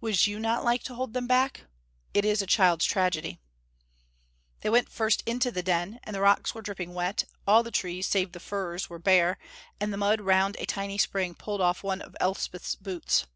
Would you not like to hold them back? It is a child's tragedy. They went first into the Den, and the rocks were dripping wet, all the trees, save the firs, were bare, and the mud round a tiny spring pulled off one of Elspeth's boots.